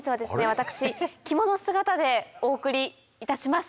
私着物姿でお送りいたします。